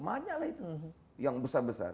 banyak lah itu yang besar besar